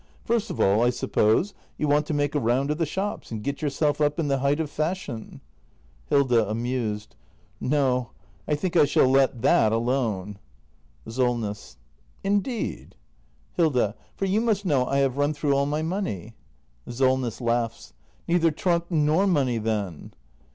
First of all, I suppose, you want to make a round of the shops, and get yourself up in the height of fashion. Hilda. [Amused.] No, I think I shall let that alone! Solness. Indeed ? act i] THE MASTER BUILDER 295 Hilda. For you must know I have run through all my money. SOLNESS. Neither trunk nor money, then!